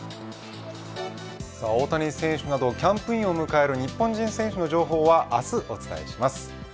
大谷選手などキャンプインを迎える日本人選手の情報は明日、お伝えします。